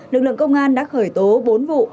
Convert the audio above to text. lực lượng công an đã khởi tố bốn vụ